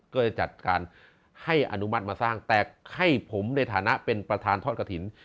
ก็เลยจัดการให้อนุมัติมาสร้างแต่ให้ผมในฐานะเป็นประธานทอดกระถิ่น